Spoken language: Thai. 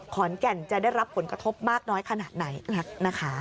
ขอนแก่นจะได้รับผลกระทบมากน้อยขนาดไหนนะคะ